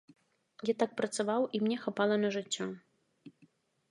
Я так працаваў, і мне хапала на жыццё.